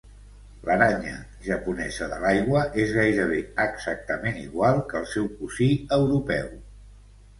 L'aranya japonesa de l'aigua és gairebé exactament igual que el seu cosí europeu.